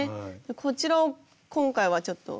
こちらを今回はちょっと。